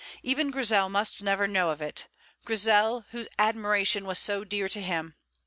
Even Grizel must never know of it Grizel, whose admiration was so dear to him.